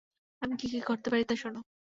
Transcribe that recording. আমি কি কি পারি তা শোনো।